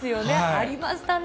ありましたね。